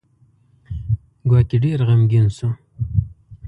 ګواکې ډېر غمګین شو.